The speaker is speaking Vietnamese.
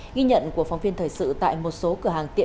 nghi nhận của phóng viên thời sự tại một số cửa hàng tiệm